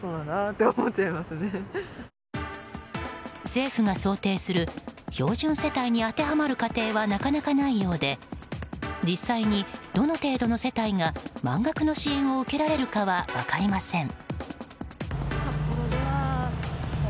政府が想定する標準世帯に当てはまる家庭はなかなかないようで、実際にどの程度の世帯が満額の支援を受けられるかは分かりません。